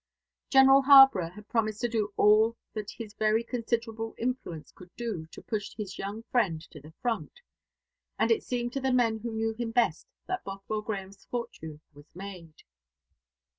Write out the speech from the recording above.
General Harborough had promised to do all that his very considerable influence could do to push his young friend to the front; and it seemed to the men who knew him best that Bothwell Grahame's fortune was made.